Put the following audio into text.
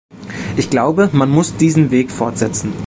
Ich glaube, man muss diesen Weg fortsetzen.